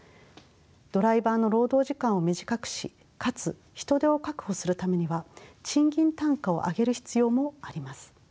ドライバーの労働時間を短くしかつ人手を確保するためには賃金単価を上げる必要もあります。